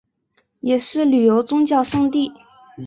也是旅游宗教胜地。